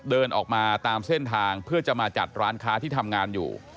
เดินออกมาตามเส้นทางเพื่อจะมาจัดร้านค้าที่ทำงานอยู่